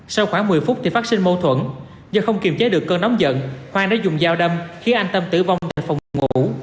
sau khoảng một mươi phút thì phát sinh mâu thuẫn do không kiềm chế được cơn nóng giận khoan đã dùng dao đâm khiến anh tâm tử vong tại phòng ngủ